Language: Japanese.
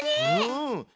うん。